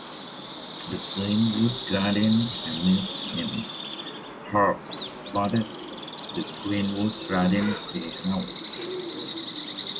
The Greenwood Garden Amusement Park sported the Greenwood Garden Playhouse.